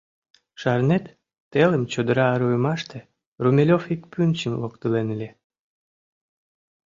Шарнет, телым чодыра руымаште Румелёв ик пӱнчым локтылын ыле?